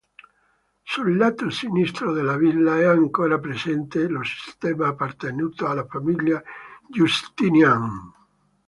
Sul lato sinistro della villa è ancora presente lo stemma appartenuto alla famiglia Giustinian.